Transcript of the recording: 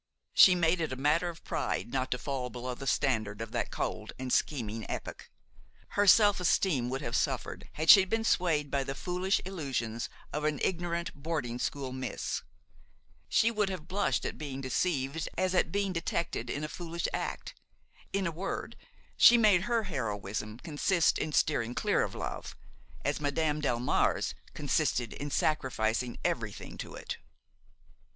She made it a matter of pride not to fall below the standard of that cold and scheming epoch; her self esteem would have suffered had she been swayed by the foolish illusions of an ignorant boarding school miss; she would have blushed at being deceived as at being detected in a foolish act; in a word, she made her heroism consist in steering clear of love, as Madame Delmare's consisted in sacrificing everything to it.